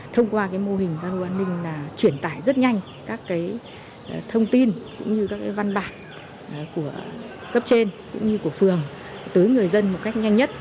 thông qua mô hình camera an ninh là truyền tải rất nhanh các thông tin cũng như các văn bản của cấp trên cũng như của phường tới người dân một cách nhanh nhất